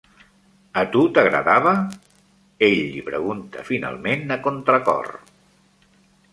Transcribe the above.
"A tu t'agradava?" ell li preguntà finalment a contracor.